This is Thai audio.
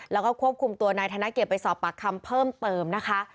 แล้วก็ควบคุมตัวนายธนเกียจไปสอบปากคำเพิ่มเติมนะคะ